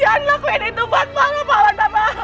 jangan lakuin itu buat panggung pak man